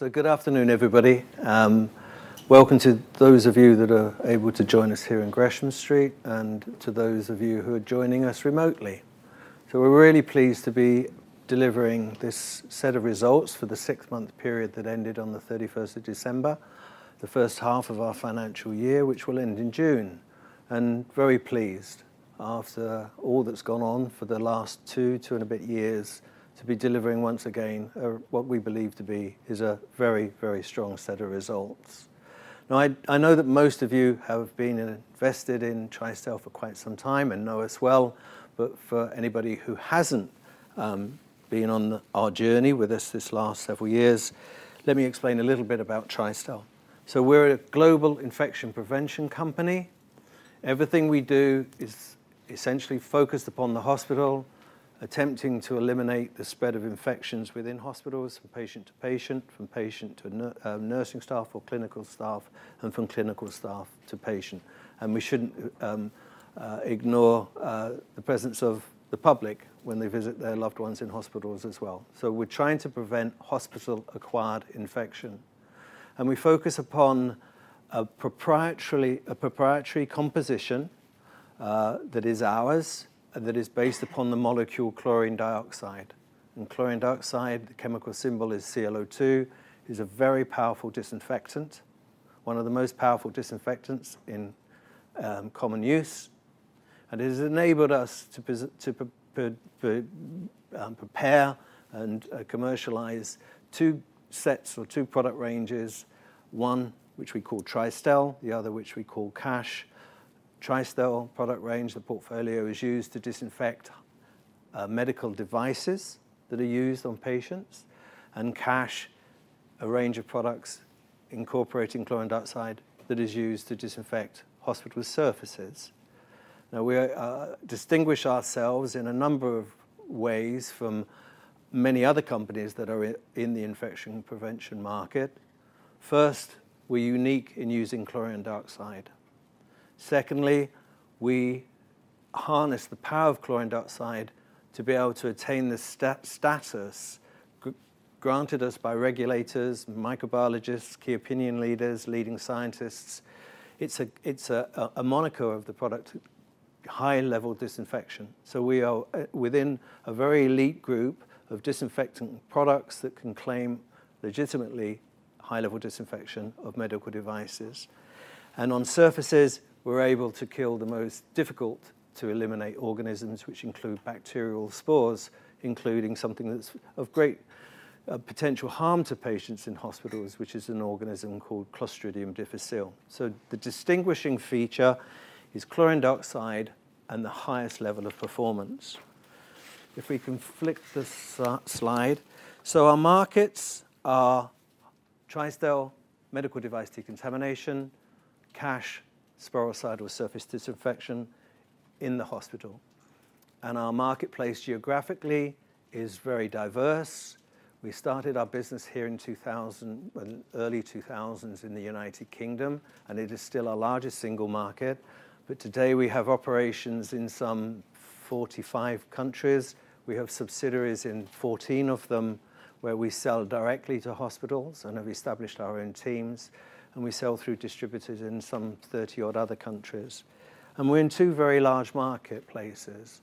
Good afternoon, everybody. Welcome to those of you that are able to join us here in Gresham Street and to those of you who are joining us remotely. We're really pleased to be delivering this set of results for the six-month period that ended on the 31st of December, the first half of our financial year, which will end in June. Very pleased after all that's gone on for the last two and a bit years to be delivering once again, what we believe to be is a very, very strong set of results. I know that most of you have been invested in Tristel for quite some time and know us well. For anybody who hasn't been on our journey with us this last several years, let me explain a little bit about Tristel. We're a global infection prevention company. Everything we do is essentially focused upon the hospital, attempting to eliminate the spread of infections within hospitals from patient to patient, from patient to nursing staff or clinical staff, and from clinical staff to patient. We shouldn't ignore the presence of the public when they visit their loved ones in hospitals as well. We're trying to prevent hospital-acquired infection. We focus upon a proprietary composition that is ours and that is based upon the molecule chlorine dioxide. Chlorine dioxide, the chemical symbol is ClO₂, is a very powerful disinfectant, one of the most powerful disinfectants in common use. It has enabled us to prepare and commercialize two sets or two product ranges, one which we call Tristel, the other which we call Cache. Tristel product range, the portfolio is used to disinfect medical devices that are used on patients, and Cache, a range of products incorporating chlorine dioxide that is used to disinfect hospital surfaces. We distinguish ourselves in a number of ways from many other companies that are in the infection prevention market. First, we're unique in using chlorine dioxide. Secondly, we harness the power of chlorine dioxide to be able to attain the status granted us by regulators, microbiologists, key opinion leaders, leading scientists. It's a moniker of the product, high-level disinfection. We are within a very elite group of disinfectant products that can claim legitimately high-level disinfection of medical devices. On surfaces, we're able to kill the most difficult to eliminate organisms, which include bacterial spores, including something that's of great potential harm to patients in hospitals, which is an organism called Clostridioides difficile. The distinguishing feature is chlorine dioxide and the highest level of performance. If we can flip this slide. Our markets are Tristel medical device decontamination, Cache sporicidal surface disinfection in the hospital. Our marketplace geographically is very diverse. We started our business here in early 2000s in the United Kingdom, and it is still our largest single market. Today we have operations in some 45 countries. We have subsidiaries in 14 of them where we sell directly to hospitals and have established our own teams, and we sell through distributors in some 30-odd other countries. We're in two very large marketplaces.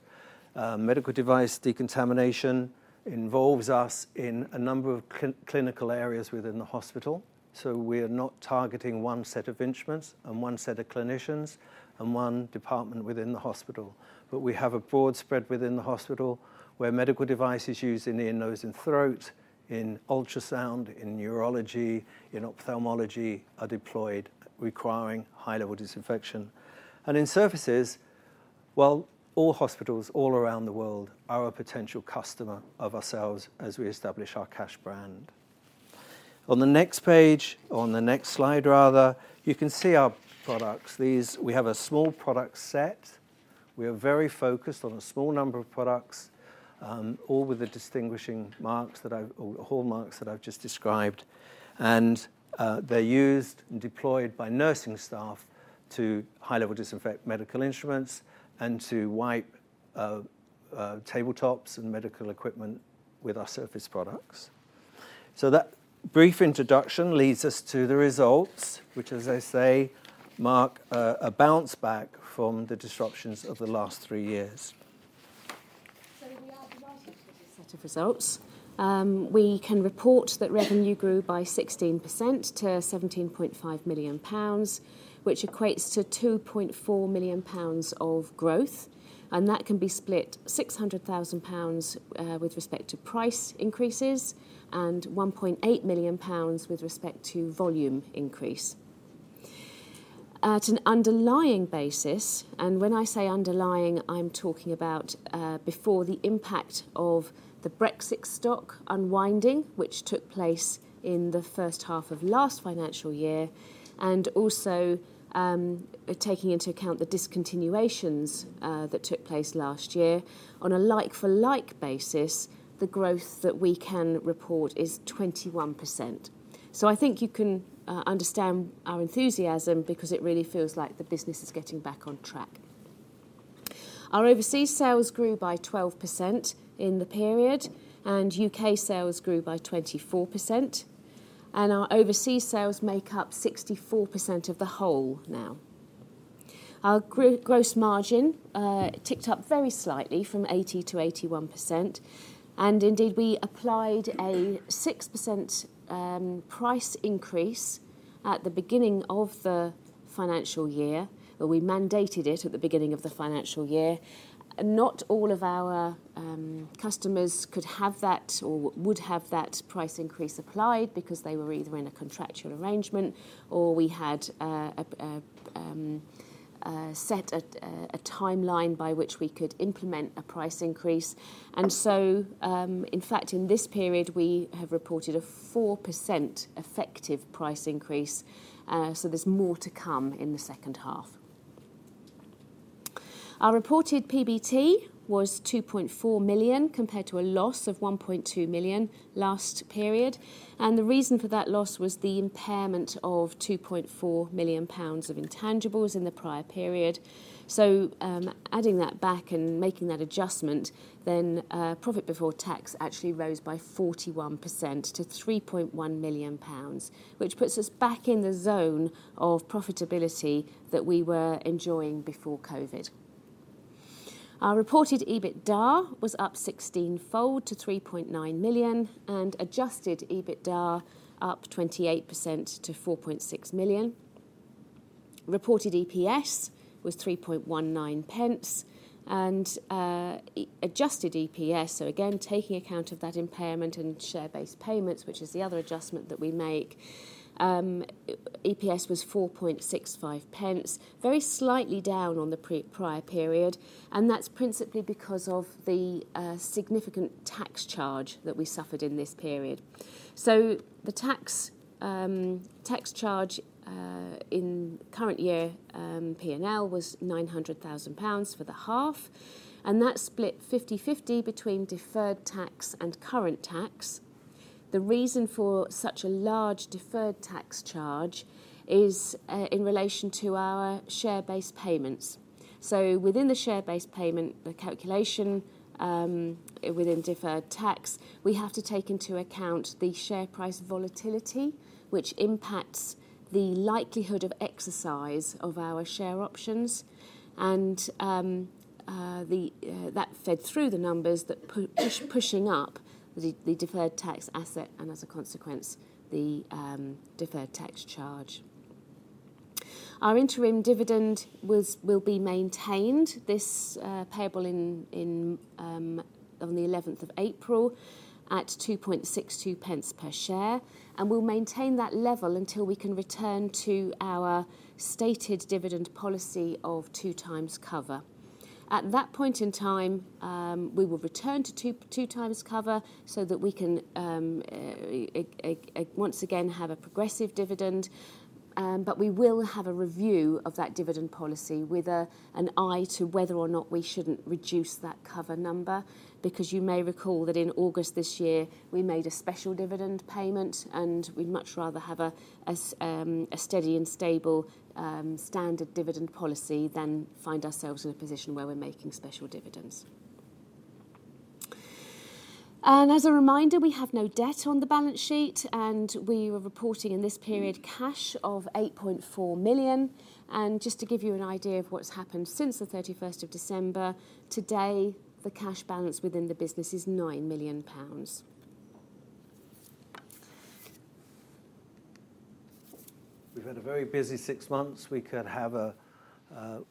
Medical device decontamination involves us in a number of clinical areas within the hospital. We are not targeting one set of instruments and one set of clinicians and one department within the hospital. We have a broad spread within the hospital where medical devices used in ear, nose, and throat, in ultrasound, in neurology, in ophthalmology are deployed requiring high-level disinfection. In surfaces, well, all hospitals all around the world are a potential customer of ourselves as we establish our Cache brand. On the next page, on the next slide rather, you can see our products. We have a small product set. We are very focused on a small number of products, all with the distinguishing marks or hallmarks that I've just described. They're used and deployed by nursing staff to high-level disinfect medical instruments and to wipe tabletops and medical equipment with our surface products. That brief introduction leads us to the results, which, as I say, mark a bounce back from the disruptions of the last 3 years. We are delighted with this set of results. We can report that revenue grew by 16% to 17.5 million pounds, which equates to 2.4 million pounds of growth, and that can be split 600,000 pounds with respect to price increases and 1.8 million pounds with respect to volume increase. At an underlying basis, and when I say underlying, I'm talking about before the impact of the Brexit stock unwinding, which took place in the first half of last financial year, and also taking into account the discontinuations that took place last year. On a like for like basis, the growth that we can report is 21%. I think you can understand our enthusiasm because it really feels like the business is getting back on track. Our overseas sales grew by 12% in the period, and U.K. sales grew by 24%. Our overseas sales make up 64% of the whole now. Our gross margin ticked up very slightly from 80 to 81%. Indeed, we applied a 6% price increase at the beginning of the financial year, or we mandated it at the beginning of the financial year. Not all of our customers could have that or would have that price increase applied because they were either in a contractual arrangement or we had a set timeline by which we could implement a price increase. In fact, in this period, we have reported a 4% effective price increase, so there's more to come in the second half. Our reported PBT was 2.4 million compared to a loss of 1.2 million last period. The reason for that loss was the impairment of 2.4 million pounds of intangibles in the prior period. Adding that back and making that adjustment, profit before tax actually rose by 41% to 3.1 million pounds, which puts us back in the zone of profitability that we were enjoying before COVID. Our reported EBITDA was up 16-fold to 3.9 million, and adjusted EBITDA up 28% to 4.6 million. Reported EPS was 3.19. Adjusted EPS, so again, taking account of that impairment and share-based payments, which is the other adjustment that we make, EPS was 4.65 pence, very slightly down on the pre-prior period, and that's principally because of the significant tax charge that we suffered in this period. The tax charge in current year P&L was 900,000 pounds for the half, and that's split 50/50 between deferred tax and current tax. The reason for such a large deferred tax charge is in relation to our share-based payments. Within the share-based payment, the calculation within deferred tax, we have to take into account the share price volatility, which impacts the likelihood of exercise of our share options. That fed through the numbers that pushing up the deferred tax asset and as a consequence, the deferred tax charge. Our interim dividend will be maintained this, payable on the 11th of April at 2.62 per share, and we'll maintain that level until we can return to our stated dividend policy of 2 times cover. At that point in time, we will return to 2 times cover so that we can once again, have a progressive dividend. We will have a review of that dividend policy with an eye to whether or not we shouldn't reduce that cover number, because you may recall that in August this year, we made a special dividend payment, and we'd much rather have a steady and stable standard dividend policy than find ourselves in a position where we're making special dividends. As a reminder, we have no debt on the balance sheet, and we were reporting in this period cash of 8.4 million. Just to give you an idea of what's happened since the 31st of December, today, the cash balance within the business is 9 million pounds. We've had a very busy 6 months. We could have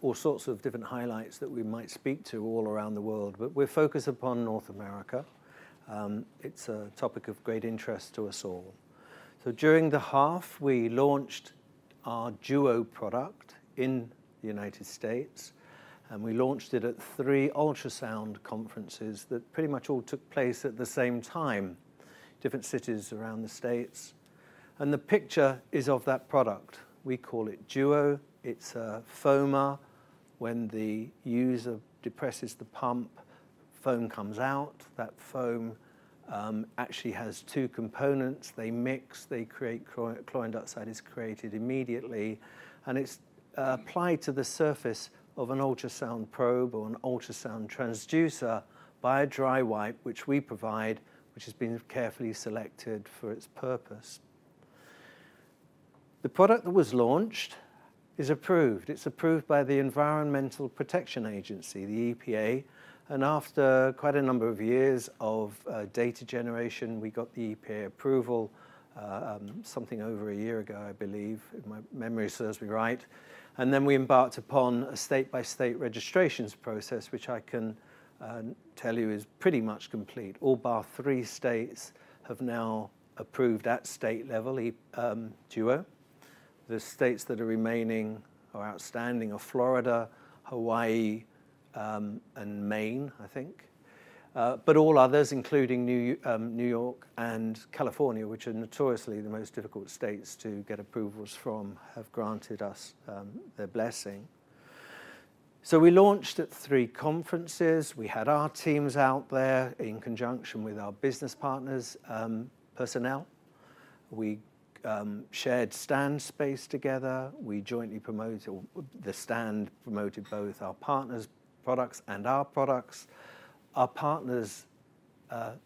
all sorts of different highlights that we might speak to all around the world, but we're focused upon North America. It's a topic of great interest to us all. During the half, we launched our DUO product in the United States, and we launched it at 3 ultrasound conferences that pretty much all took place at the same time, different cities around the States. The picture is of that product. We call it DUO. It's a foamer. When the user depresses the pump, foam comes out. That foam actually has 2 components. They mix, they create chlorine dioxide is created immediately, and it's applied to the surface of an ultrasound probe or an ultrasound transducer by a dry wipe, which we provide, which has been carefully selected for its purpose. The product that was launched is approved. It's approved by the Environmental Protection Agency, the EPA. After quite a number of years of data generation, we got the EPA approval something over a year ago, I believe, if my memory serves me right. We embarked upon a state-by-state registrations process, which I can tell you is pretty much complete. All bar 3 states have now approved at state level DUO. The states that are remaining or outstanding are Florida, Hawaii, and Maine, I think. All others, including New York and California, which are notoriously the most difficult states to get approvals from, have granted us their blessing. We launched at 3 conferences. We had our teams out there in conjunction with our business partners' personnel. We shared stand space together. We jointly promoted, or the stand promoted both our partner's products and our products. Our partner's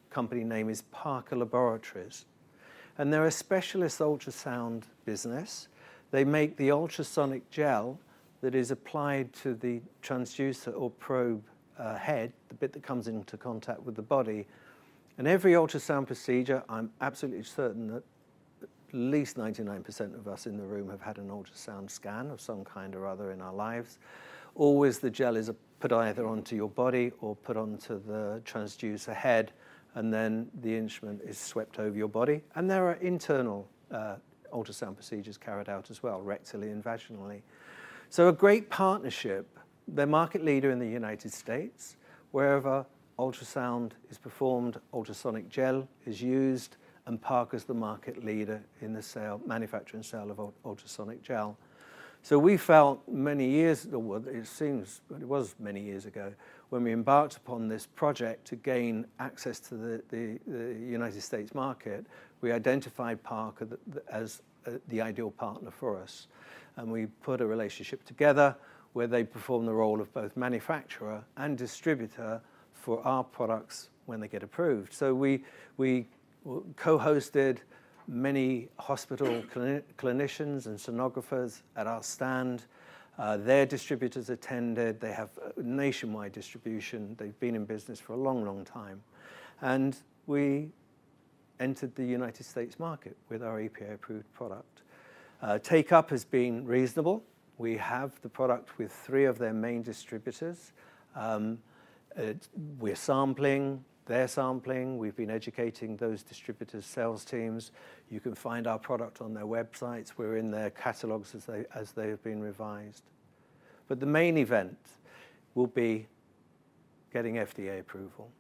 company name is Parker Laboratories, and they're a specialist ultrasound business. They make the ultrasonic gel that is applied to the transducer or probe head, the bit that comes into contact with the body. In every ultrasound procedure, I'm absolutely certain that at least 99% of us in the room have had an ultrasound scan of some kind or other in our lives. Always the gel is put either onto your body or put onto the transducer head, and then the instrument is swept over your body. There are internal ultrasound procedures carried out as well, rectally and vaginally. A great partnership. They're market leader in the United States. Wherever ultrasound is performed, ultrasonic gel is used, and Parker's the market leader in the sale manufacturing sale of ultrasonic gel. We felt many years ago, it seems, but it was many years ago, when we embarked upon this project to gain access to the United States market, we identified Parker as the ideal partner for us. We put a relationship together where they perform the role of both manufacturer and distributor for our products when they get approved. We co-hosted many hospital clinicians and sonographers at our stand. Their distributors attended. They have nationwide distribution. They've been in business for a long, long time. We entered the United States market with our EPA-approved product. Take-up has been reasonable. We have the product with three of their main distributors. We're sampling. They're sampling. We've been educating those distributors' sales teams. You can find our product on their websites. We're in their catalogs as they have been revised. The main event will be getting FDA approval.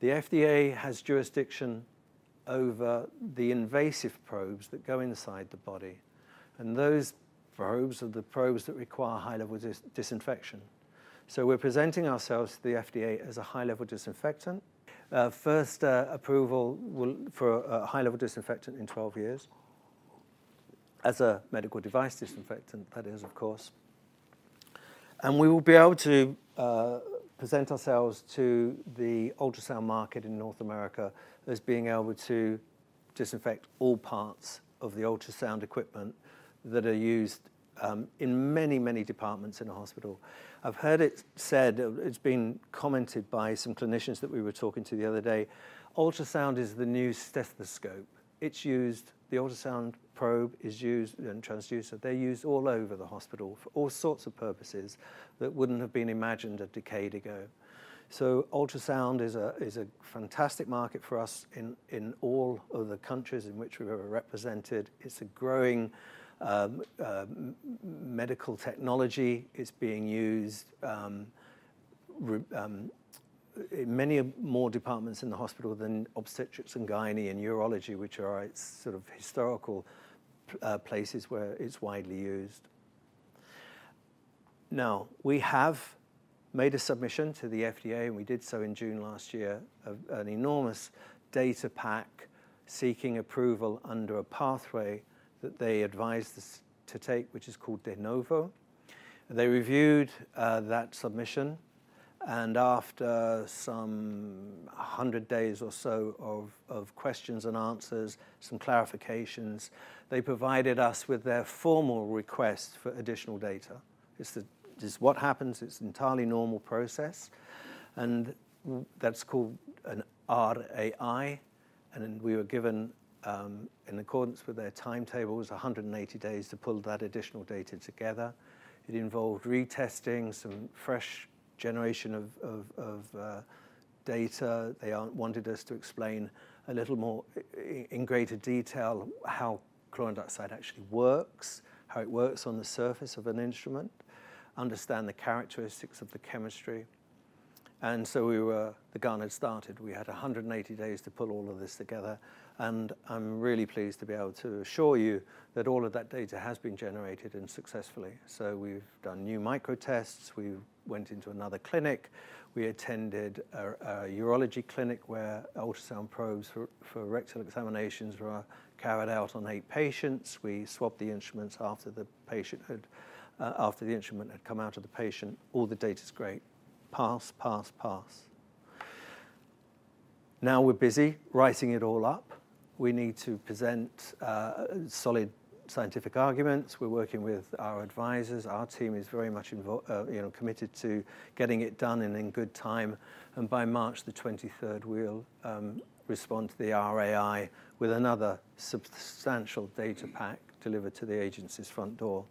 The FDA has jurisdiction over the invasive probes that go inside the body, and those probes are the probes that require high-level disinfection. We're presenting ourselves to the FDA as a high-level disinfectant. First, approval for a high-level disinfectant in 12 years, as a medical device disinfectant, that is, of course. We will be able to present ourselves to the ultrasound market in North America as being able to disinfect all parts of the ultrasound equipment that are used in many departments in a hospital. I've heard it said, it's been commented by some clinicians that we were talking to the other day, ultrasound is the new stethoscope. It's used. The ultrasound probe is used, and transducer, they're used all over the hospital for all sorts of purposes that wouldn't have been imagined a decade ago. Ultrasound is a fantastic market for us in all of the countries in which we're represented. It's a growing medical technology. It's being used in many more departments in the hospital than obstetrics and gynecology, which are its sort of historical places where it's widely used. Now, we have made a submission to the FDA, and we did so in June last year, of an enormous data pack seeking approval under a pathway that they advised us to take, which is called de novo. They reviewed that submission, and after some 100 days or so of questions and answers, some clarifications, they provided us with their formal request for additional data. This is what happens. It's an entirely normal process. That's called an RAI. We were given, in accordance with their timetables, 180 days to pull that additional data together. It involved retesting, some fresh generation of data. They wanted us to explain a little more in greater detail how chlorine dioxide actually works, how it works on the surface of an instrument, understand the characteristics of the chemistry. The gun had started. We had 180 days to pull all of this together. I'm really pleased to be able to assure you that all of that data has been generated and successfully. We've done new micro tests. We went into another clinic. We attended a urology clinic where ultrasound probes for rectal examinations were carried out on eight patients. We swapped the instruments after the patient had after the instrument had come out of the patient. All the data's great. Pass, pass. We're busy writing it all up. We need to present solid scientific arguments. We're working with our advisors. Our team is very much, you know, committed to getting it done and in good time. By March the 23rd, we'll respond to the RAI with another substantial data pack delivered to the agency's front door.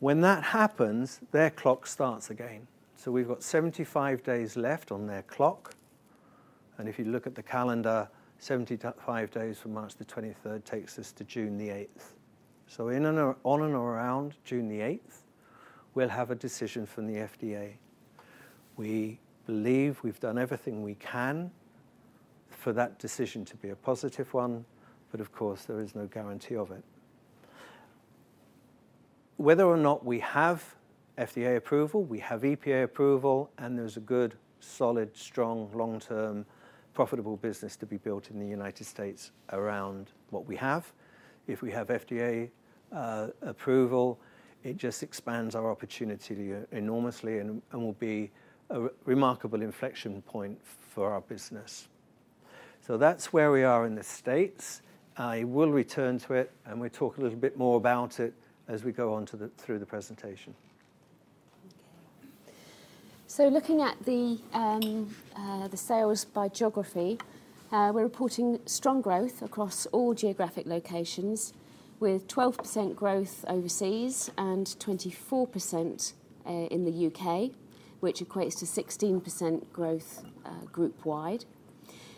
When that happens, their clock starts again. We've got 75 days left on their clock. If you look at the calendar, 75 days from March the 23rd takes us to June the 8th. In and on and around June 8th, we'll have a decision from the FDA. We believe we've done everything we can for that decision to be a positive one, but of course, there is no guarantee of it. Whether or not we have FDA approval, we have EPA approval, and there's a good, solid, strong, long-term, profitable business to be built in the United States around what we have. If we have FDA approval, it just expands our opportunity enormously and will be a remarkable inflection point for our business. That's where we are in the States. I will return to it, and we talk a little bit more about it as we go through the presentation. Okay. Looking at the sales by geography, we're reporting strong growth across all geographic locations with 12% growth overseas and 24% in the U.K., which equates to 16% growth group wide.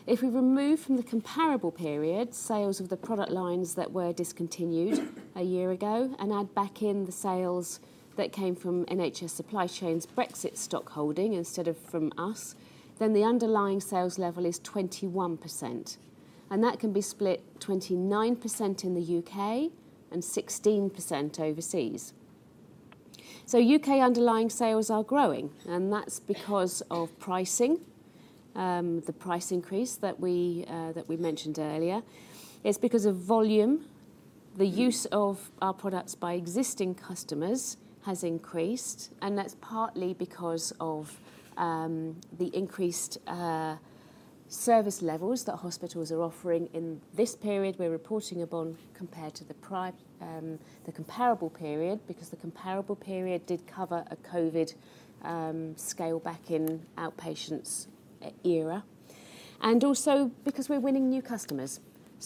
If we remove from the comparable period sales of the product lines that were discontinued a year ago and add back in the sales that came from NHS Supply Chain Brexit stock holding instead of from us, the underlying sales level is 21%, that can be split 29% in the U.K., and 16% overseas. U.K. underlying sales are growing, that's because of pricing, the price increase that we that we mentioned earlier. It's because of volume. The use of our products by existing customers has increased, that's partly because of the increased service levels that hospitals are offering in this period we're reporting upon compared to the comparable period, because the comparable period did cover a COVID scale back in outpatients era, and also because we're winning new customers.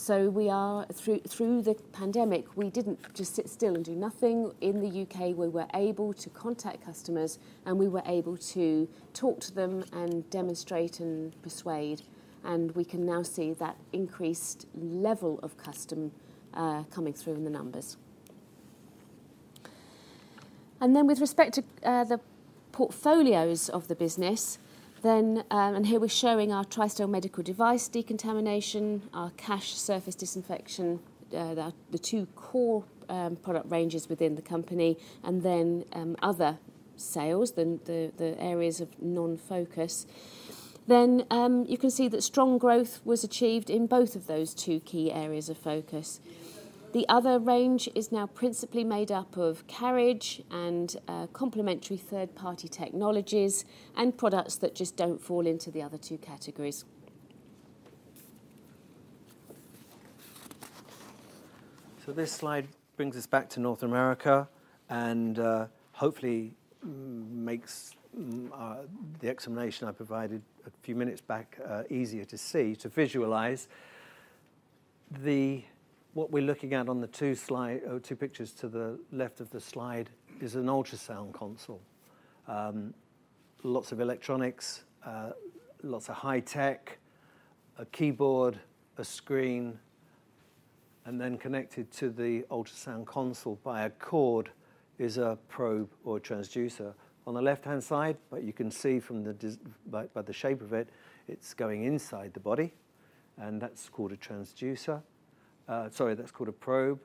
We are through the pandemic, we didn't just sit still and do nothing. In the U.K., we were able to contact customers, we were able to talk to them and demonstrate and persuade, and we can now see that increased level of custom coming through in the numbers. Then with respect to the portfolios of the business then, here we're showing our Tristel medical device decontamination, our Cache surface disinfection, the two core product ranges within the company, then other sales than the areas of non-focus. You can see that strong growth was achieved in both of those two key areas of focus. The other range is now principally made up of carriage and complementary third-party technologies and products that just don't fall into the other two categories. This slide brings us back to North America and, hopefully makes the explanation I provided a few minutes back, easier to see, to visualize. What we're looking at on the two slide or two pictures to the left of the slide is an ultrasound console. Lots of electronics, lots of high tech, a keyboard, a screen, and then connected to the ultrasound console via cord is a probe or transducer. On the left-hand side, but you can see by the shape of it's going inside the body, and that's called a transducer. Sorry, that's called a probe.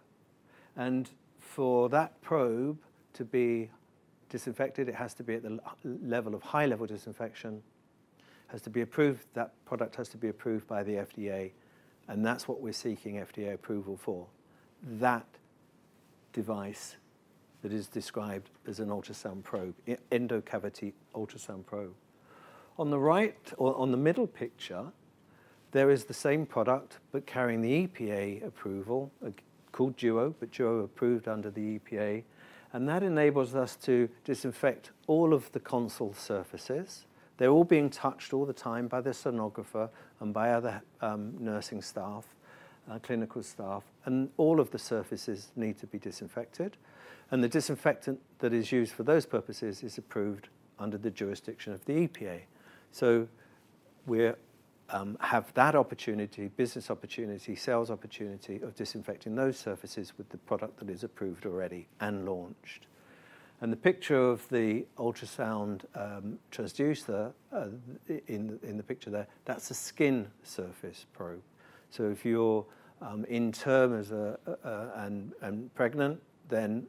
For that probe to be disinfected, it has to be at the level of high-level disinfection, it has to be approved. That product has to be approved by the FDA. That's what we're seeking FDA approval for, that device that is described as an ultrasound probe, e-endocavity ultrasound probe. On the right or on the middle picture, there is the same product, but carrying the EPA approval, called DUO, but DUO approved under the EPA. That enables us to disinfect all of the console surfaces. They're all being touched all the time by the sonographer and by other, nursing staff, clinical staff. All of the surfaces need to be disinfected. The disinfectant that is used for those purposes is approved under the jurisdiction of the EPA. We have that opportunity, business opportunity, sales opportunity of disinfecting those surfaces with the product that is approved already and launched. The picture of the ultrasound transducer in the picture there, that's a skin surface probe. If you're in term as and pregnant, then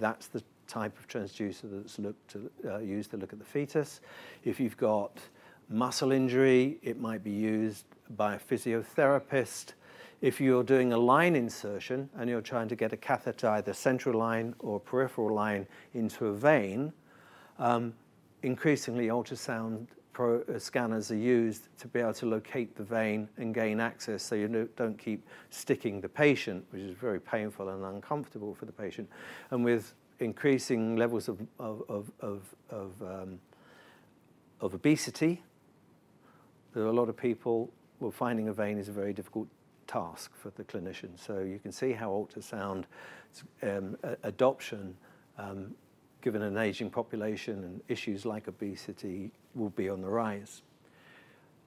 that's the type of transducer that's looked to use to look at the fetus. If you've got muscle injury, it might be used by a physiotherapist. If you're doing a line insertion and you're trying to get a catheter, either central line or peripheral line into a vein, increasingly ultrasound scanners are used to be able to locate the vein and gain access so you don't keep sticking the patient, which is very painful and uncomfortable for the patient. With increasing levels of obesity, there are a lot of people where finding a vein is a very difficult task for the clinician. You can see how ultrasound adoption, given an aging population and issues like obesity will be on the rise.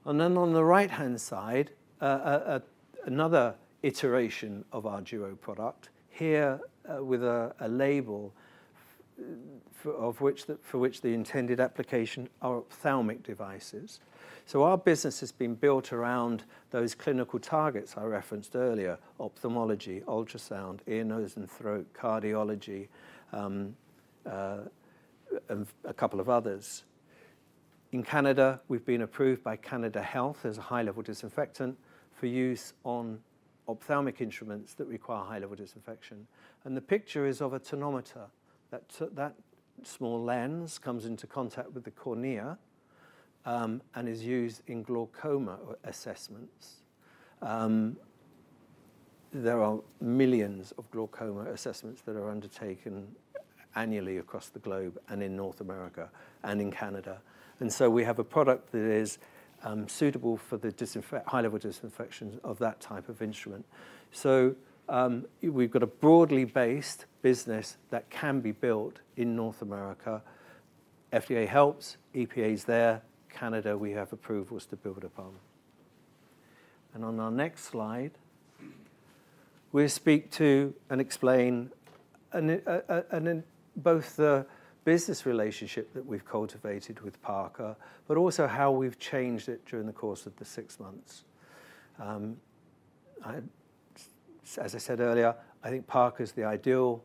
On the right-hand side, another iteration of our DUO product here, with a label for which the intended application are ophthalmic devices. Our business has been built around those clinical targets I referenced earlier, ophthalmology, ultrasound, ear, nose and throat, cardiology, and a couple of others. In Canada, we've been approved by Health Canada as a high-level disinfectant for use on ophthalmic instruments that require high-level disinfection. The picture is of a tonometer. That small lens comes into contact with the cornea and is used in glaucoma assessments. There are millions of glaucoma assessments that are undertaken annually across the globe and in North America and in Canada. We have a product that is suitable for the high-level disinfection of that type of instrument. We've got a broadly based business that can be built in North America. FDA helps, EPA is there. Canada, we have approvals to build upon. On our next slide, we speak to and explain and then both the business relationship that we've cultivated with Parker, but also how we've changed it during the course of the 6 months. As I said earlier, I think Parker is the ideal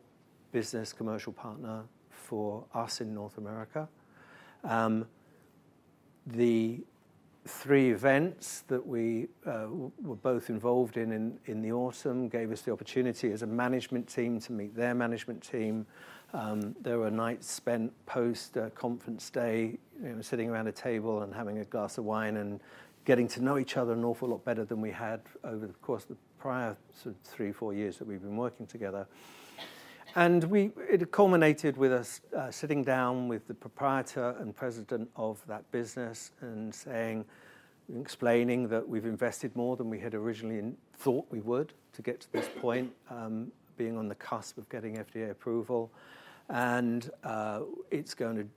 business commercial partner for us in North America. The 3 events that we were both involved in in the autumn gave us the opportunity as a management team to meet their management team. There were nights spent post conference day, you know, sitting around a table and having a glass of wine and getting to know each other an awful lot better than we had over the course of the prior 3 or 4 years that we've been working together. It culminated with us sitting down with the proprietor and president of that business and saying, explaining that we've invested more than we had originally thought we would to get to this point, being on the cusp of getting FDA approval. It's going to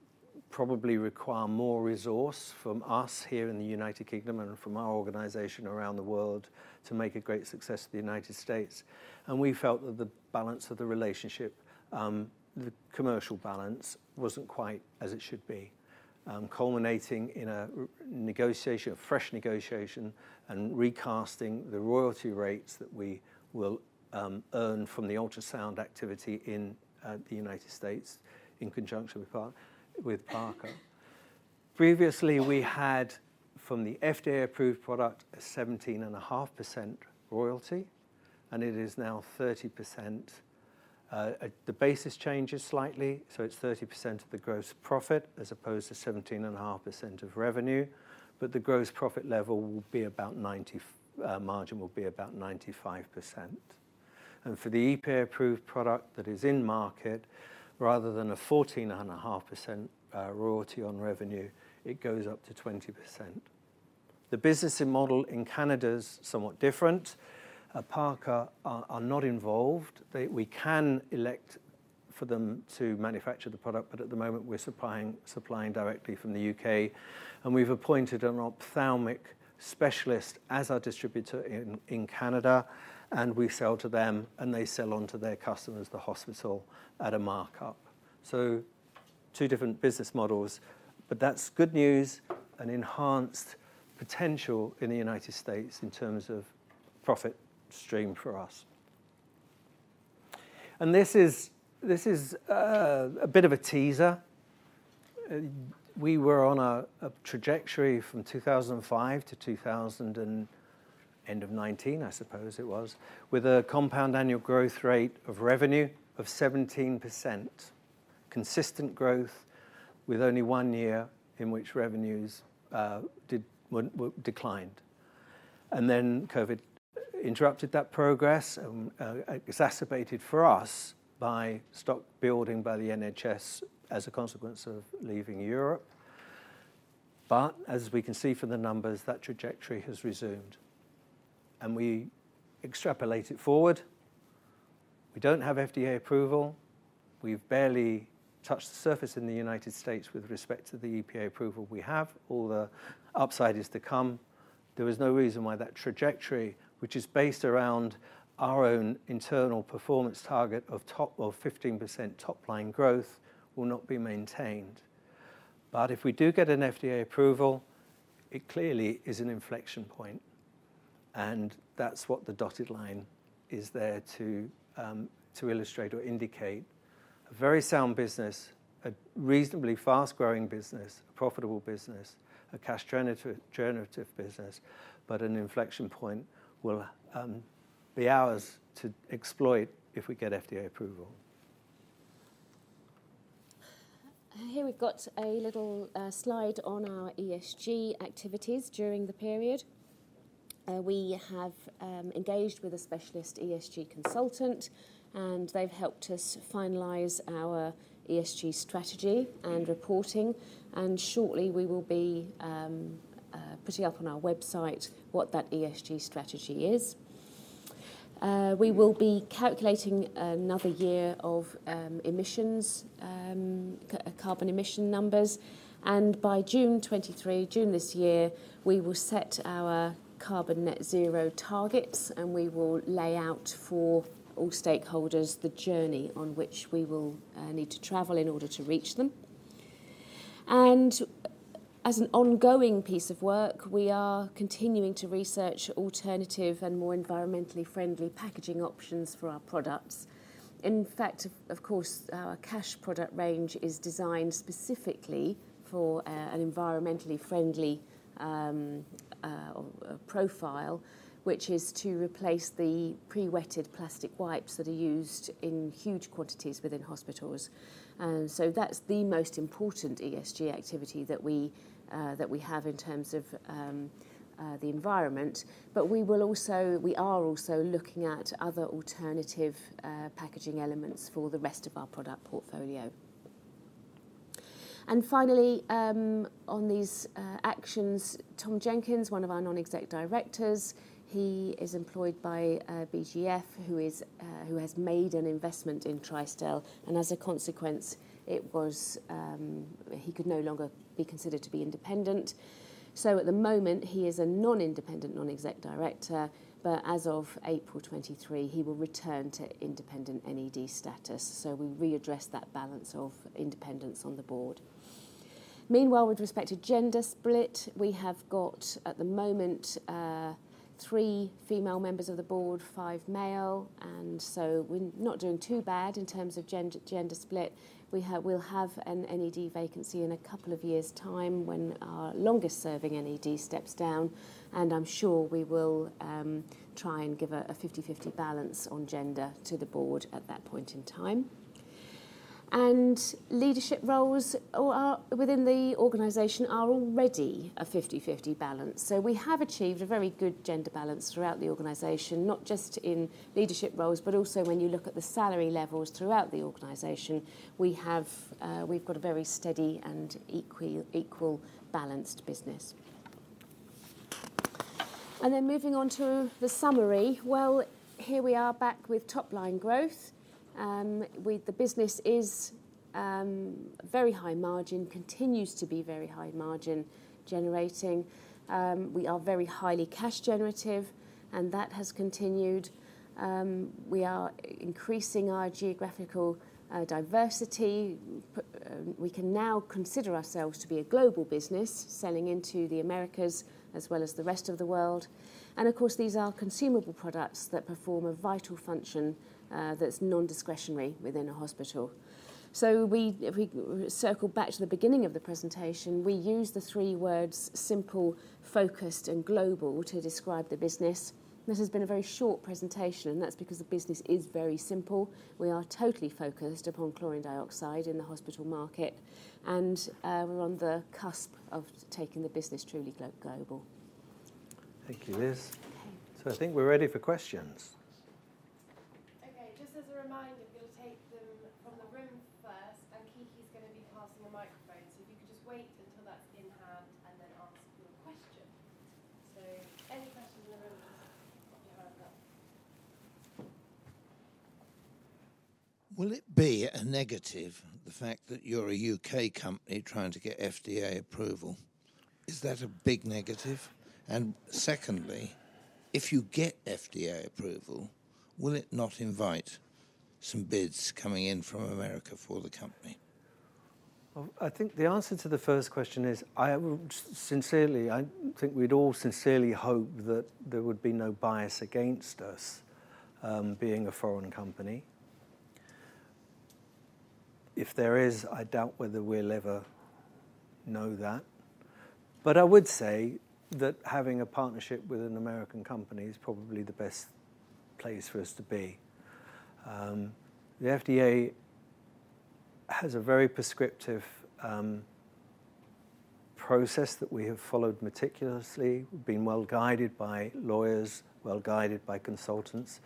probably require more resource from us here in the United Kingdom and from our organization around the world to make a great success in the United States. We felt that the balance of the relationship, the commercial balance wasn't quite as it should be, culminating in a negotiation, a fresh negotiation, and recasting the royalty rates that we will earn from the ultrasound activity in the United States in conjunction with Parker. Previously, we had, from the FDA-approved product, a 17.5% royalty, and it is now 30%. The basis changes slightly, so it's 30% of the gross profit as opposed to 17.5% of revenue. The gross profit level will be about margin will be about 95%. For the EPA-approved product that is in market, rather than a 14.5% royalty on revenue, it goes up to 20%. The business model in Canada is somewhat different. Parker are not involved. We can elect for them to manufacture the product, but at the moment we're supplying directly from the U.K. We've appointed an ophthalmic specialist as our distributor in Canada, and we sell to them, and they sell on to their customers, the hospital, at a markup. Two different business models, but that's good news and enhanced potential in the United States in terms of profit stream for us. This is a bit of a teaser. We were on a trajectory from 2005 to 2019, I suppose it was, with a compound annual growth rate of revenue of 17%. Consistent growth with only 1 year in which revenues declined. COVID interrupted that progress and exacerbated for us by stock building by the NHS as a consequence of leaving Europe. As we can see from the numbers, that trajectory has resumed. We extrapolate it forward. We don't have FDA approval. We've barely touched the surface in the United States with respect to the EPA approval we have. All the upside is to come. There is no reason why that trajectory, which is based around our own internal performance target of top of 15% top-line growth, will not be maintained. If we do get an FDA approval, it clearly is an inflection point, and that's what the dotted line is there to illustrate or indicate. A very sound business, a reasonably fast-growing business, a profitable business, a cash generative business, but an inflection point will be ours to exploit if we get FDA approval. Here we've got a little slide on our ESG activities during the period. We have engaged with a specialist ESG consultant, and they've helped us finalize our ESG strategy and reporting. Shortly we will be putting up on our website what that ESG strategy is. We will be calculating another year of emissions, carbon emission numbers. By June 2023, June this year, we will set our carbon net zero targets, and we will lay out for all stakeholders the journey on which we will need to travel in order to reach them. As an ongoing piece of work, we are continuing to research alternative and more environmentally friendly packaging options for our products. In fact, of course, our Cache product range is designed specifically for an environmentally friendly profile, which is to replace the pre-wetted plastic wipes that are used in huge quantities within hospitals. That's the most important ESG activity that we have in terms of the environment. We are also looking at other alternative packaging elements for the rest of our product portfolio. Finally, on these actions, Tom Jenkins, one of our Non-Executive Directors, he is employed by BGF, who has made an investment in Tristel, and as a consequence, he could no longer be considered to be independent. At the moment, he is a non-independent Non-Executive Director. As of April 2023, he will return to independent NED status, so we readdress that balance of independence on the board. Meanwhile, with respect to gender split, we have got, at the moment, three female members of the board, five male, and so we're not doing too bad in terms of gender split. We'll have an NED vacancy in a couple of years' time when our longest-serving NED steps down, and I'm sure we will try and give a 50/50 balance on gender to the board at that point in time. Leadership roles are, within the organization are already a 50/50 balance. We have achieved a very good gender balance throughout the organization, not just in leadership roles, but also when you look at the salary levels throughout the organization. We have, we've got a very steady and equal balanced business. Moving on to the summary. Well, here we are back with top-line growth. The business is very high margin, continues to be very high margin generating. We are very highly cash generative, and that has continued. We are increasing our geographical diversity. We can now consider ourselves to be a global business selling into the Americas as well as the rest of the world. Of course, these are consumable products that perform a vital function, that's non-discretionary within a hospital. We, if we circle back to the beginning of the presentation, we use the three words simple, focused, and global to describe the business. This has been a very short presentation, and that's because the business is very simple. We are totally focused upon chlorine dioxide in the hospital market, we're on the cusp of taking the business truly global. Thank you, Liz. Okay. I think we're ready for questions. Okay. Just as a reminder, we'll take them from the room first. Kiki is gonna be passing a microphone. If you could just wait until that's in hand and then ask your question. Any questions in the room, just put your hand up. Will it be a negative, the fact that you're a U.K. company trying to get FDA approval? Is that a big negative? Secondly, if you get FDA approval, will it not invite some bids coming in from America for the company? Well, I think the answer to the first question is, I would sincerely hope that there would be no bias against us, being a foreign company. If there is, I doubt whether we'll ever know that. I would say that having a partnership with an American company is probably the best place for us to be. The FDA has a very prescriptive process that we have followed meticulously, been well-guided by lawyers, well-guided by consultants,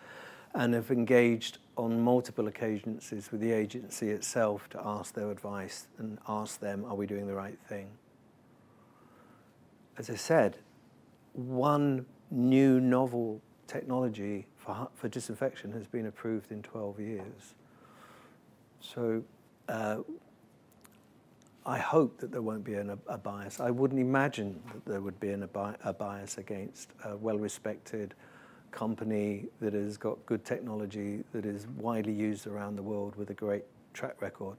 and have engaged on multiple occasions with the agency itself to ask their advice and ask them, "Are we doing the right thing?" As I said, one new novel technology for disinfection has been approved in 12 years. I hope that there won't be a bias. I wouldn't imagine that there would be a bias against a well-respected company that has got good technology, that is widely used around the world with a great track record.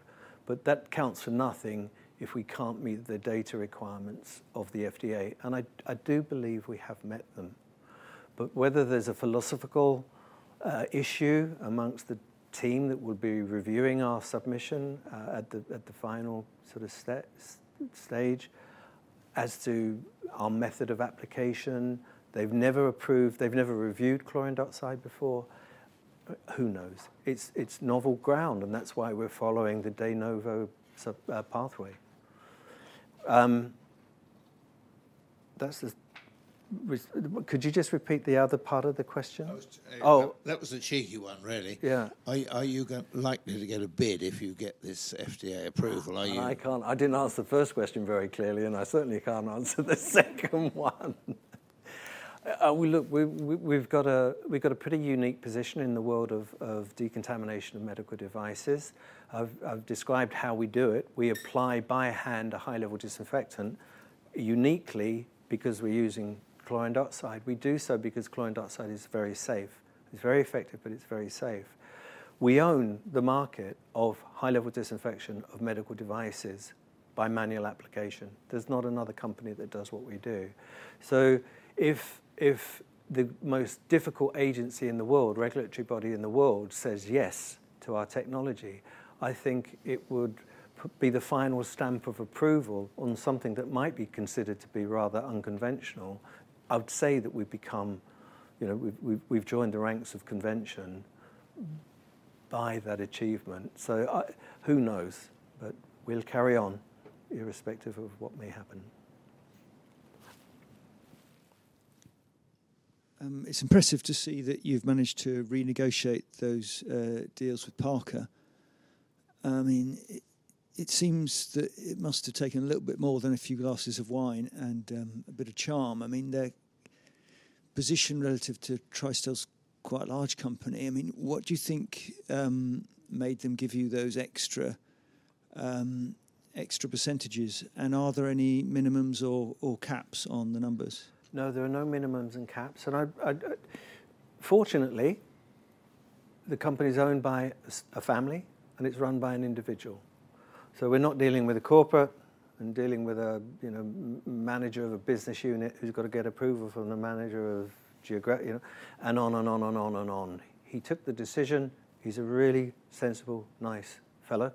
That counts for nothing if we can't meet the data requirements of the FDA, and I do believe we have met them. Whether there's a philosophical issue amongst the team that would be reviewing our submission at the final sort of stage as to our method of application, they've never approved, they've never reviewed chlorine dioxide before. Who knows? It's, it's novel ground, and that's why we're following the de novo pathway. Could you just repeat the other part of the question? I was, Oh. That was a cheeky one, really. Yeah. Are you likely to get a bid if you get this FDA approval? Are you? I didn't answer the first question very clearly. I certainly can't answer the second one. We've got a pretty unique position in the world of decontamination of medical devices. I've described how we do it. We apply by hand a high-level disinfectant uniquely because we're using chlorine dioxide. We do so because chlorine dioxide is very safe. It's very effective, but it's very safe. We own the market of high-level disinfection of medical devices by manual application. There's not another company that does what we do. If the most difficult agency in the world, regulatory body in the world, says yes to our technology, I think it would be the final stamp of approval on something that might be considered to be rather unconventional. I would say that we've become, you know, we've joined the ranks of convention by that achievement. Who knows? We'll carry on irrespective of what may happen. It's impressive to see that you've managed to renegotiate those deals with Parker. I mean, it seems that it must have taken a little bit more than a few glasses of wine and a bit of charm. I mean, their position relative to Tristel's quite a large company. I mean, what do you think made them give you those extra extra percentages? Are there any minimums or caps on the numbers? No, there are no minimums and caps. I, fortunately, the company is owned by a family, and it's run by an individual. We're not dealing with a corporate and dealing with a, you know, manager of a business unit who's got to get approval from the manager of, you know, and on and on and on and on. He took the decision. He's a really sensible, nice fellow.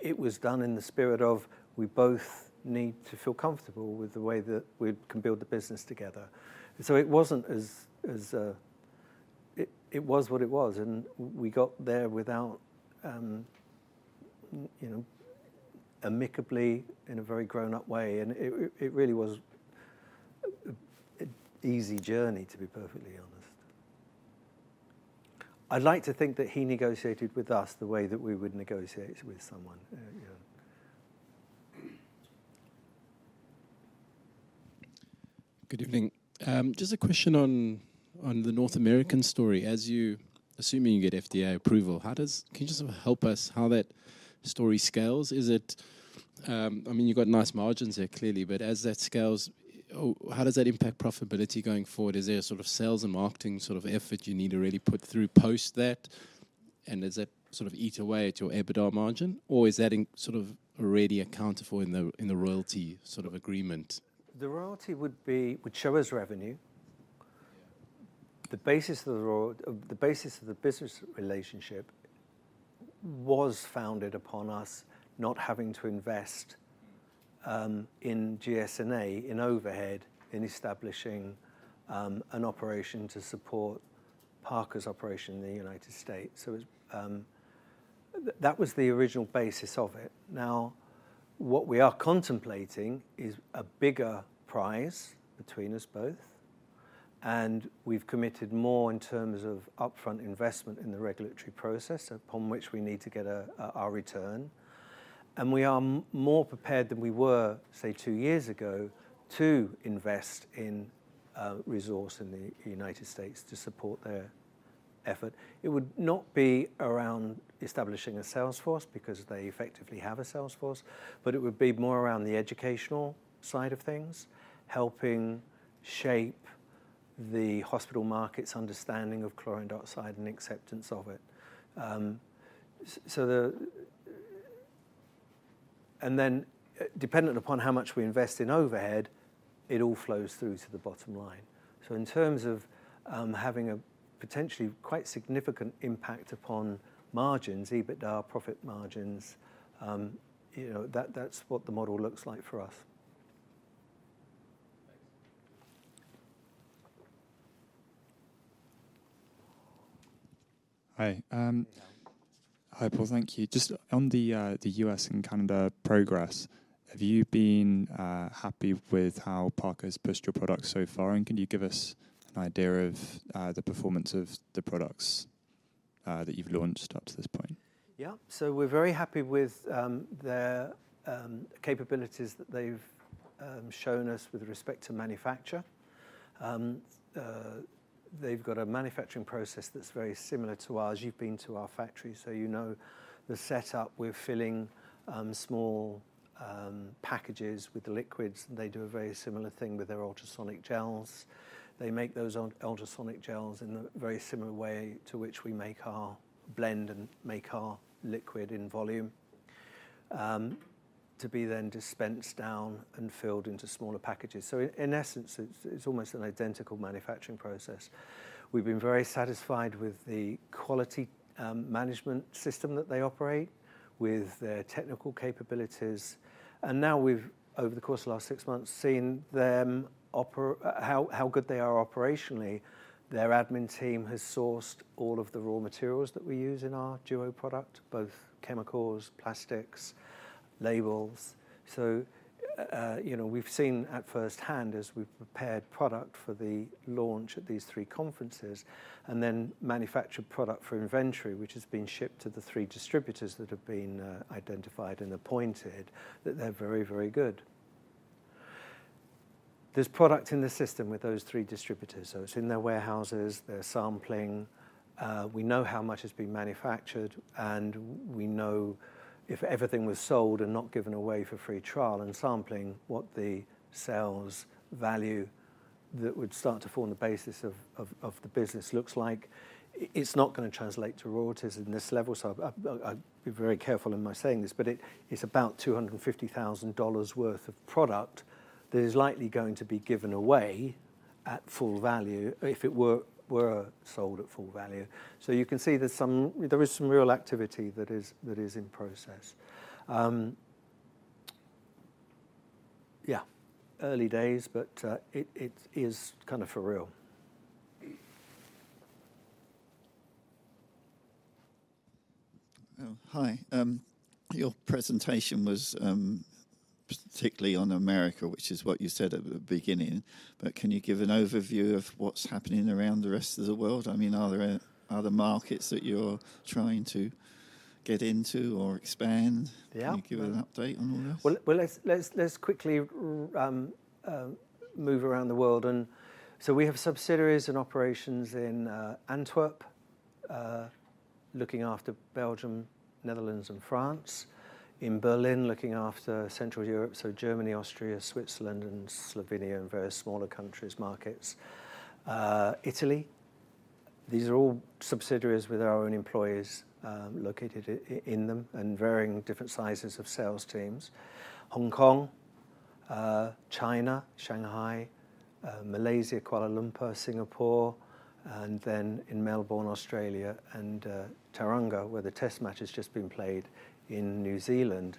It was done in the spirit of we both need to feel comfortable with the way that we can build the business together. It wasn't as. It was what it was, and we got there without, you know, amicably in a very grown-up way. It, it really was a easy journey, to be perfectly honest. I'd like to think that he negotiated with us the way that we would negotiate with someone, yeah. Good evening. Just a question on the North American story. Assuming you get FDA approval, can you just help us how that story scales? Is it, I mean, you've got nice margins there, clearly, but as that scales, how does that impact profitability going forward? Is there a sort of sales and marketing sort of effort you need to really put through post that? Does that sort of eat away at your EBITDA margin? Or is that in, sort of already accounted for in the, in the royalty sort of agreement? The royalty would show as revenue. Yeah. The basis of the business relationship was founded upon us not having to invest in G&A, in overhead, in establishing an operation to support Parker's operation in the United States. That was the original basis of it. Now, what we are contemplating is a bigger prize between us both, and we've committed more in terms of upfront investment in the regulatory process upon which we need to get our return. We are more prepared than we were, say, 2 years ago to invest in resource in the United States to support their effort. It would not be around establishing a sales force because they effectively have a sales force, but it would be more around the educational side of things, helping shape the hospital market's understanding of chlorine dioxide and acceptance of it. Umm. Dependent upon how much we invest in overhead, it all flows through to the bottom line. In terms of, having a potentially quite significant impact upon margins, EBITDA profit margins, you know, that's what the model looks like for us. Thanks. Hi, Paul. Thank you. Just on the US and Canada progress, have you been happy with how Parker's pushed your product so far? Can you give us an idea of the performance of the products that you've launched up to this point? Yeah. We're very happy with their capabilities that they've shown us with respect to manufacture. They've got a manufacturing process that's very similar to ours. You've been to our factory, so you know the setup. We're filling small packages with the liquids. They do a very similar thing with their ultrasonic gels. They make those ultrasonic gels in a very similar way to which we make our blend and make our liquid in volume to be then dispensed down and filled into smaller packages. In essence, it's almost an identical manufacturing process. We've been very satisfied with the quality management system that they operate, with their technical capabilities. Now we've, over the course of the last six months, seen them how good they are operationally. Their admin team has sourced all of the raw materials that we use in our Tristel DUO product, both chemicals, plastics, labels. You know, we've seen at firsthand as we've prepared product for the launch at these 3 conferences, and then manufactured product for inventory, which has been shipped to the 3 distributors that have been identified and appointed, that they're very, very good. There's product in the system with those 3 distributors, so it's in their warehouses, they're sampling, we know how much has been manufactured, and we know if everything was sold and not given away for free trial and sampling, what the sales value that would start to form the basis of the business looks like. It's not gonna translate to royalties in this level. I'll be very careful in my saying this, but it's about $250,000 worth of product that is likely going to be given away at full value if it were sold at full value. You can see there is some real activity that is in process. Yeah. Early days, it is kind of for real. Oh, hi. Your presentation was particularly on America, which is what you said at the beginning. Can you give an overview of what's happening around the rest of the world? I mean, are there markets that you're trying to get into or expand? Yeah. Can you give an update on all this? Well, well, let's quickly move around the world. We have subsidiaries and operations in Antwerp, looking after Belgium, Netherlands and France. In Berlin, looking after Central Europe, so Germany, Austria, Switzerland and Slovenia and various smaller countries markets. Italy. These are all subsidiaries with our own employees, located in them and varying different sizes of sales teams. Hong Kong, China, Shanghai, Malaysia, Kuala Lumpur, Singapore, and then in Melbourne, Australia, and Tauranga, where the test match has just been played in New Zealand.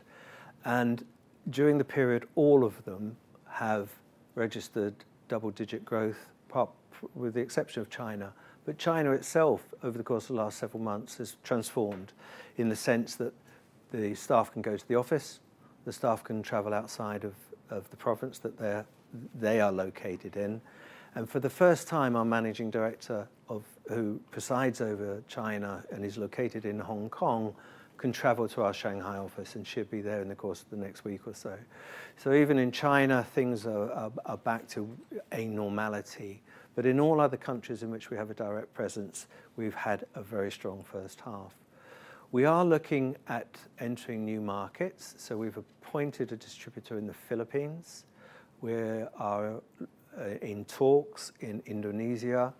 During the period, all of them have registered double-digit growth, with the exception of China. China itself, over the course of the last several months, has transformed in the sense that the staff can go to the office, the staff can travel outside of the province that they're, they are located in. For the first time, our managing director who presides over China and is located in Hong Kong, can travel to our Shanghai office, and she'll be there in the course of the next week or so. Even in China, things are back to a normality. In all other countries in which we have a direct presence, we've had a very strong first half. We are looking at entering new markets, so we've appointed a distributor in the Philippines. We are in talks in Indonesia,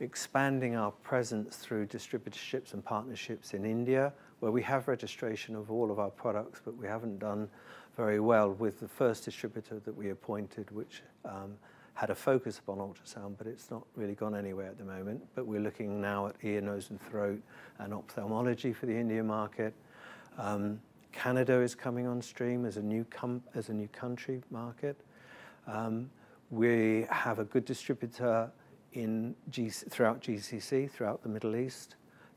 expanding our presence through distributorships and partnerships in India, where we have registration of all of our products, but we haven't done very well with the first distributor that we appointed, which had a focus upon ultrasound, but it's not really gone anywhere at the moment. We're looking now at ear, nose, and throat and ophthalmology for the India market. Canada is coming on stream as a new country market. We have a good distributor throughout GCC, throughout the Middle East.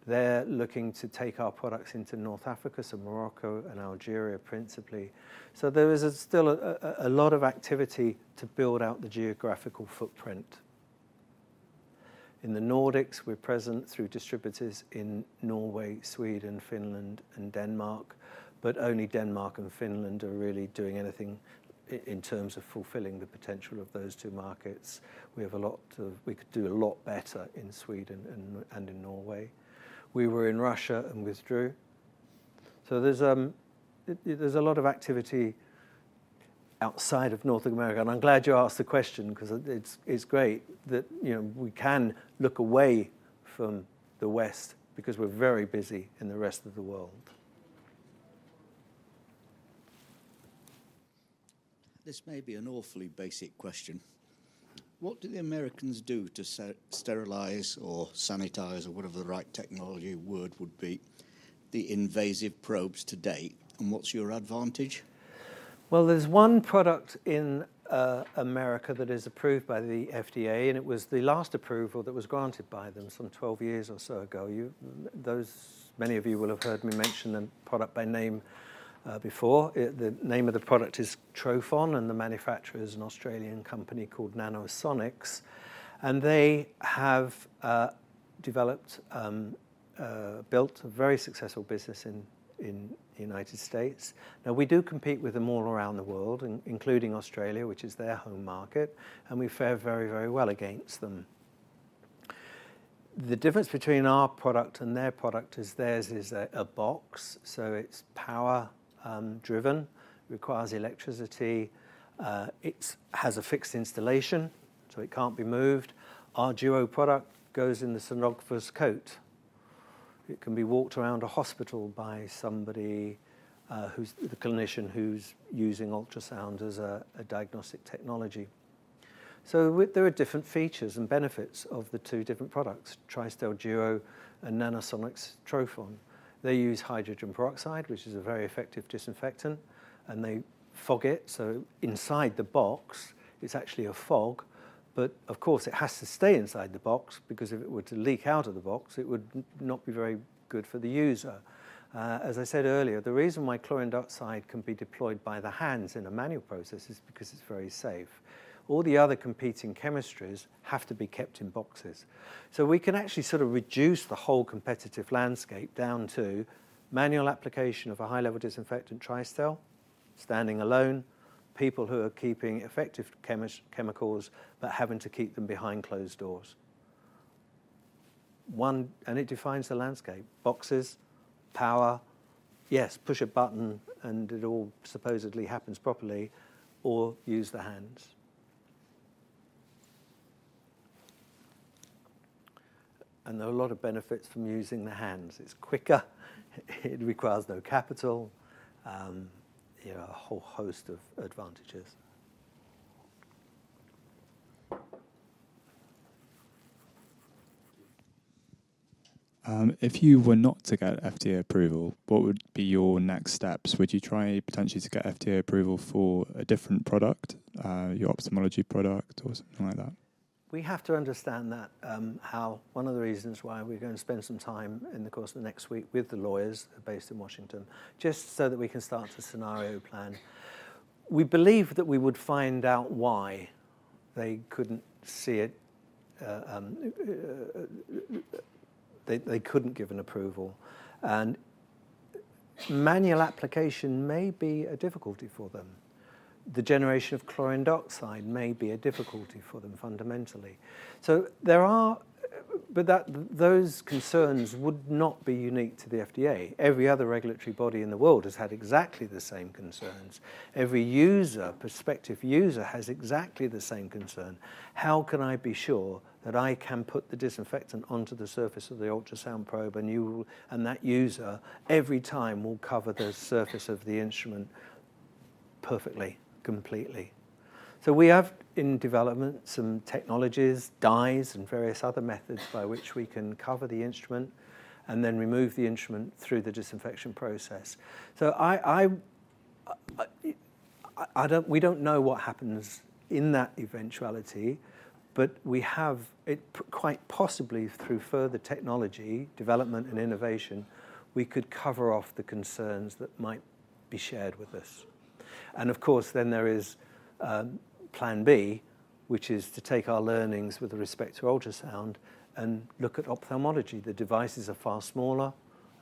They're looking to take our products into North Africa, so Morocco and Algeria, principally. There is still a lot of activity to build out the geographical footprint. In the Nordics, we're present through distributors in Norway, Sweden, Finland, and Denmark, but only Denmark and Finland are really doing anything in terms of fulfilling the potential of those two markets. We could do a lot better in Sweden and in Norway. We were in Russia and withdrew. There's a lot of activity outside of North America, and I'm glad you asked the question 'cause it's great that, you know, we can look away from the West because we're very busy in the rest of the world. This may be an awfully basic question. What do the Americans do to sterilize or sanitize or whatever the right technology word would be, the invasive probes to date, and what's your advantage? There's one product in America that is approved by the FDA, and it was the last approval that was granted by them some 12 years or so ago. Many of you will have heard me mention the product by name before. The name of the product is trophon, and the manufacturer is an Australian company called Nanosonics. They have developed, built a very successful business in the United States. Now, we do compete with them all around the world, including Australia, which is their home market, and we fare very, very well against them. The difference between our product and their product is theirs is a box, so it's power driven, requires electricity. It's has a fixed installation, so it can't be moved. Our DUO product goes in the sonographer's coat. It can be walked around a hospital by somebody, who's the clinician who's using ultrasound as a diagnostic technology. There are different features and benefits of the two different products, Tristel DUO and Nanosonics trophon. They use hydrogen peroxide, which is a very effective disinfectant, and they fog it. Inside the box, it's actually a fog. Of course, it has to stay inside the box because if it were to leak out of the box, it would not be very good for the user. As I said earlier, the reason why chlorine dioxide can be deployed by the hands in a manual process is because it's very safe. All the other competing chemistries have to be kept in boxes. We can actually sort of reduce the whole competitive landscape down to manual application of a high-level disinfectant Tristel standing alone, people who are keeping effective chemicals but having to keep them behind closed doors. One. It defines the landscape. Boxes, power. Yes, push a button, and it all supposedly happens properly, or use the hands. There are a lot of benefits from using the hands. It's quicker, it requires no capital, you know, a whole host of advantages. If you were not to get FDA approval, what would be your next steps? Would you try potentially to get FDA approval for a different product, your ophthalmology product or something like that? We have to understand that, how one of the reasons why we're gonna spend some time in the course of the next week with the lawyers based in Washington, just so that we can start to scenario plan. We believe that we would find out why they couldn't see it, they couldn't give an approval. Manual application may be a difficulty for them. The generation of chlorine dioxide may be a difficulty for them fundamentally. That, those concerns would not be unique to the FDA. Every other regulatory body in the world has had exactly the same concerns. Every user, prospective user has exactly the same concern. How can I be sure that I can put the disinfectant onto the surface of the ultrasound probe and you, and that user every time will cover the surface of the instrument perfectly, completely? We have in development some technologies, dyes, and various other methods by which we can cover the instrument and then remove the instrument through the disinfection process. I don't, we don't know what happens in that eventuality, but we have it quite possibly through further technology, development and innovation, we could cover off the concerns that might be shared with us. Of course, then there is plan B, which is to take our learnings with respect to ultrasound and look at ophthalmology. The devices are far smaller,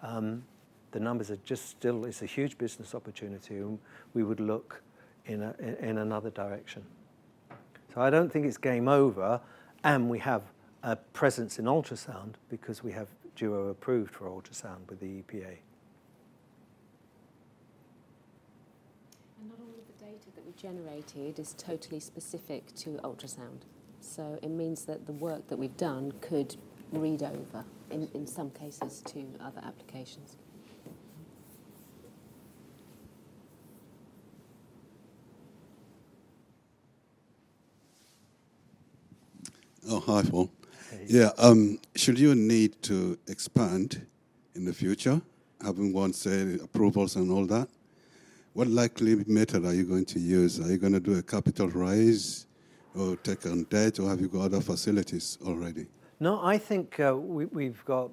the numbers are just still. It's a huge business opportunity and we would look in another direction. I don't think it's game over, and we have a presence in ultrasound because we have DUO approved for ultrasound with the EPA. Not only the data that we generated is totally specific to ultrasound, so it means that the work that we've done could read over in some cases to other applications. Oh, hi, Paul. Hey. Yeah, should you need to expand in the future, having won, say, approvals and all that, what likely method are you going to use? Are you going to do a capital raise or take on debt, or have you got other facilities already? No, I think we've got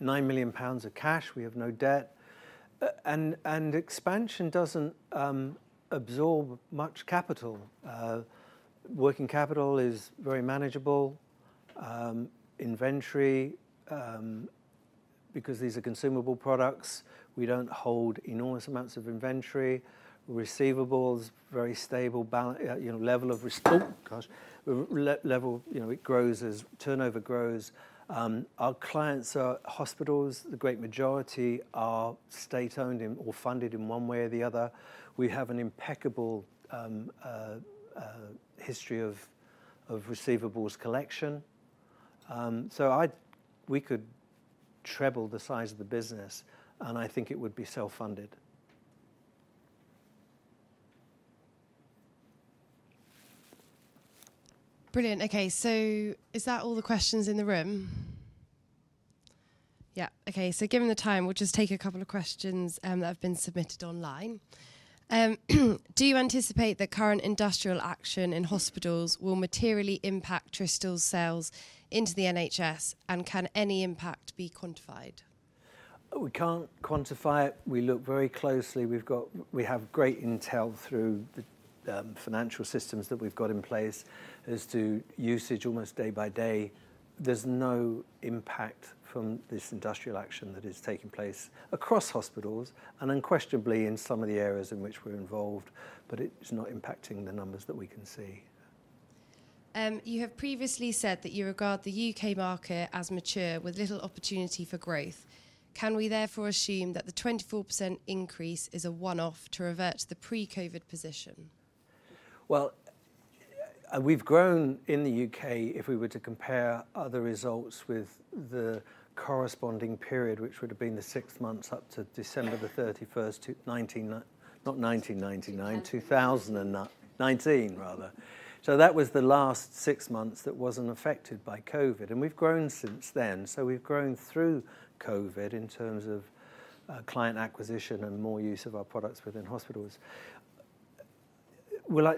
9 million pounds of cash. We have no debt. Expansion doesn't absorb much capital. Working capital is very manageable. Inventory, because these are consumable products, we don't hold enormous amounts of inventory. Receivables, very stable level, you know, it grows as turnover grows. Our clients are hospitals. The great majority are state-owned and, or funded in one way or the other. We have an impeccable history of receivables collection. We could treble the size of the business, and I think it would be self-funded. Brilliant. Okay. Is that all the questions in the room? Yeah. Okay. Given the time, we'll just take a couple of questions that have been submitted online. Do you anticipate the current industrial action in hospitals will materially impact Tristel's sales into the NHS, and can any impact be quantified? We can't quantify it. We look very closely. We have great intel through the financial systems that we've got in place as to usage almost day by day. There's no impact from this industrial action that is taking place across hospitals and unquestionably in some of the areas in which we're involved, but it's not impacting the numbers that we can see. You have previously said that you regard the U.K. Market as mature with little opportunity for growth. Can we therefore assume that the 24% increase is a one-off to revert to the pre-COVID position? Well, we've grown in the U.K. if we were to compare other results with the corresponding period, which would have been the six months up to December the 31st, [19, not 1999], 2019 rather. That was the last six months that wasn't affected by COVID, and we've grown since then. We've grown through COVID in terms of client acquisition and more use of our products within hospitals. I,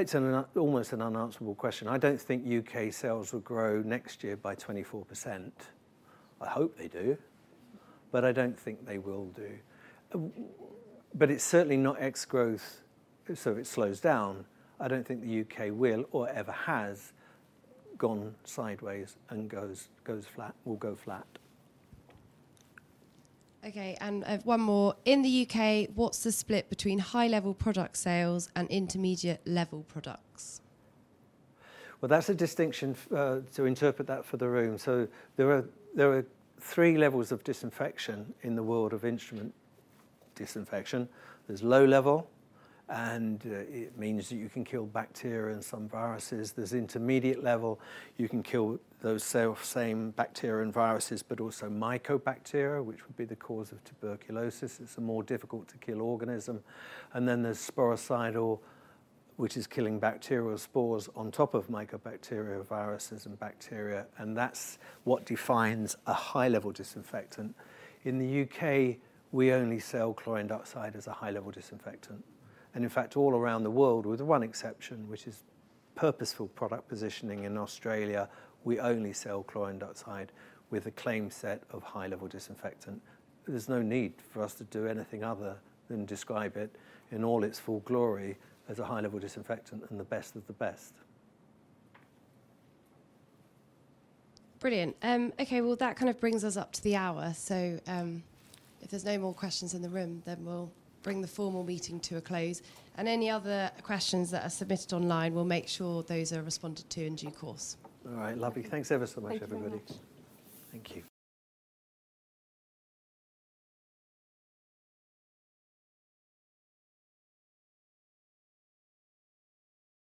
it's an almost an unanswerable question. I don't think U.K. sales will grow next year by 24%. I hope they do, I don't think they will do. It's certainly not ex-growth, so it slows down. I don't think the U.K. Will or ever has gone sideways and goes flat, will go flat. Okay. I've one more. In the U.K., what's the split between high-level product sales and intermediate level products? That's a distinction to interpret that for the room. There are three levels of disinfection in the world of instrument disinfection. There's low level, it means that you can kill bacteria and some viruses. There's intermediate level. You can kill those same bacteria and viruses, but also mycobacteria, which would be the cause of tuberculosis. It's a more difficult to kill organism. There's sporicidal, which is killing bacterial spores on top of mycobacteria, viruses, and bacteria, and that's what defines a high-level disinfectant. In the U.K., we only sell chlorine dioxide as a high-level disinfectant. In fact, all around the world, with one exception, which is purposeful product positioning in Australia, we only sell chlorine dioxide with a claim set of high-level disinfectant. There's no need for us to do anything other than describe it in all its full glory as a high-level disinfectant and the best of the best. Brilliant. Okay. Well, that kind of brings us up to the hour. If there's no more questions in the room, then we'll bring the formal meeting to a close. Any other questions that are submitted online, we'll make sure those are responded to in due course. All right. Lovely. Thanks ever so much, everybody. Thank you very much. Thank you.